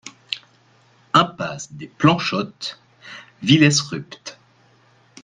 Impasse des Planchottes, Vy-lès-Rupt